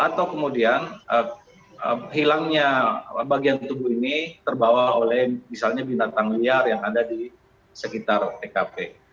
atau kemudian hilangnya bagian tubuh ini terbawa oleh misalnya binatang liar yang ada di sekitar tkp